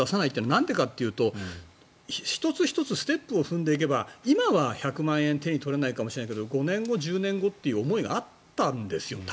なんでかっていうと１つ１つステップを踏んでいけば今は１００万円手に取れないかもしれないけど５年後１０年後っていう思いが多分あったんですよ。